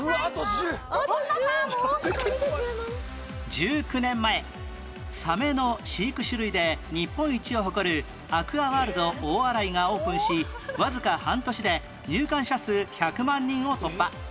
１９年前サメの飼育種類で日本一を誇るアクアワールド大洗がオープンしわずか半年で入館者数１００万人を突破